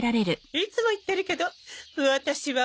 いつも言ってるけどワタシは女よ。